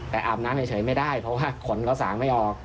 แต่อาบน้ำเฉยไม่ได้เพราะว่าขนเข้าสางไม่ออก